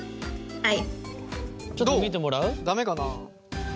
はい。